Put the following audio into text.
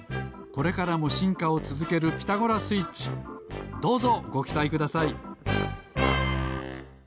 これからもしんかをつづける「ピタゴラスイッチ」どうぞごきたいください！